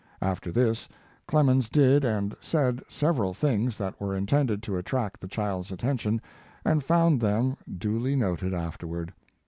After this Clemens did and said several things that were intended to attract the child s attention, and found them duly noted afterward.